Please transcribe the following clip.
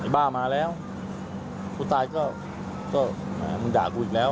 บ้ามาแล้วผู้ตายก็มึงด่ากูอีกแล้ว